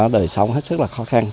đời sống hết sức là khó khăn